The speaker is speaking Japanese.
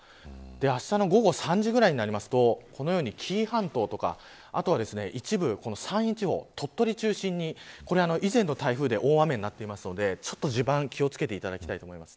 あしたの午後３時ぐらいになるとこのように紀伊半島とかあとは一部、山陰地方鳥取中心に、以前の台風で大雨になっているので地盤に気を付けていただきたいと思います